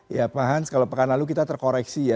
ya pak hans kalau pekan lalu kita terkoreksi ya